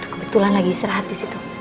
kebetulan lagi istirahat di situ